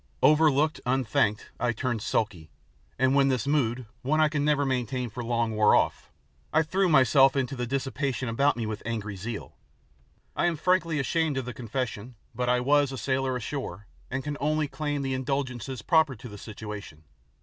Overlooked, unthanked, I turned sulky, and when this mood, one I can never maintain for long, wore off, I threw myself into the dissipation about me with angry zeal. I am frankly ashamed of the confession, but I was "a sailor ashore," and can only claim the indulgences proper to the situation.